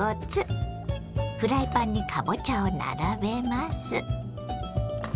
フライパンにかぼちゃを並べます。